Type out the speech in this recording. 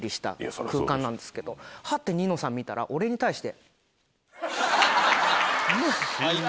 ハッてニノさん見たら俺に対して。